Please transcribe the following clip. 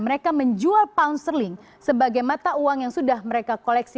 mereka menjual pound sterling sebagai mata uang yang sudah mereka koleksi